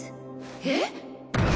えっ！？